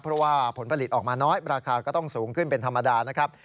เพราะว่าผลผลิตออกมาน้อยราคาก็ต้องสูงขึ้นเป็นธรรมดานะครับ